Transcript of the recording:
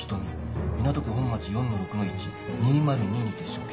港区本町４−６−１２０２にて処刑。